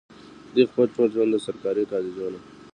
دوي خپل ټول ژوند د سرکاري کالجونو